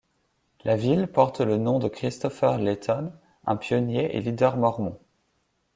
La ville porte le nom de Christopher Layton, un pionnier et leader mormon.